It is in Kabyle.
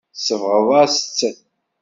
Tsebɣeḍ-as-tt.